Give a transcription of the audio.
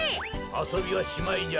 あそびはしまいじゃ。